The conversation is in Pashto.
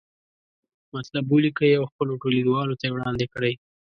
مطلب ولیکئ او خپلو ټولګیوالو ته یې وړاندې کړئ.